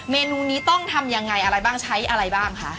เมนูนี้ต้องทำยังไงอะไรบ้างใช้อะไรบ้างคะ